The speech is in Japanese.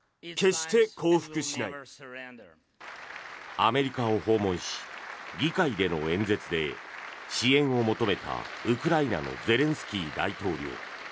アメリカを訪問し議会での演説で支援を求めたウクライナのゼレンスキー大統領。